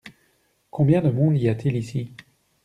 Combien de monde y a-t-il ici ?